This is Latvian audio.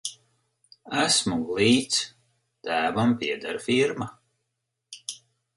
Esmu glīts, tēvam pieder firma.